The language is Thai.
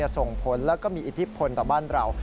ส่งผลแล้วก็มีอิทธิพลต่อบ้านเรา